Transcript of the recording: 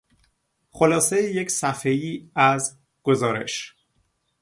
خلاصهی یک صفحهای از گزارش